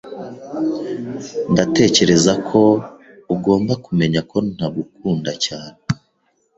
Ndatekereza ko ugomba kumenya ko ntagukunda cyane.